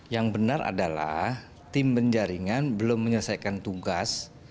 yang benar adalah tim penjaringan belum menyelesaikan tugas